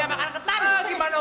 gimana urusan aja ini kok